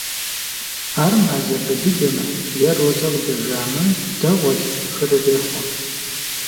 Ар мазэ балыджэмэ е розэ къыдэжамэ – дэгъуэщ, хырырехъуэ.